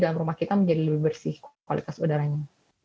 jadi dalam rumah kita menjadi lebih bersih kualitas udaranya